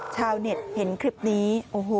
ชาวเน็ตเห็นคลิปนี้โอ้โห